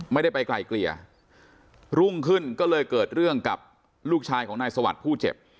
ไม่ได้ไปไกลเกลี่ยรุ่งขึ้นก็เลยเกิดเรื่องกับลูกชายของนายสวัสดิ์ผู้เจ็บ